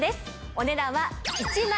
お値段は１枚。